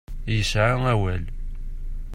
Yesɛa awal.